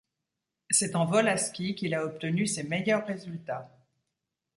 C'est en vol à ski qu'il a obtenu ses meilleurs résultats.